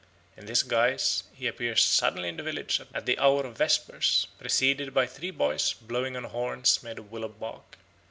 In this guise he appears suddenly in the village at the hour of vespers, preceded by three boys blowing on horns made of willow bark.